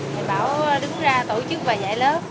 thầy bảo đứng ra tổ chức và dạy lớp